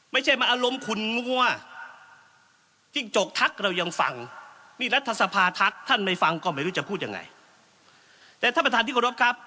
ไม่ใช่มาอารมณ์ขุนงั้ว